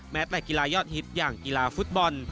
แต่กีฬายอดฮิตอย่างกีฬาฟุตบอล